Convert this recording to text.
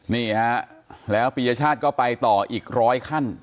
นี่ฮะแล้วปียชาติก็ไปต่ออีกร้อยขั้น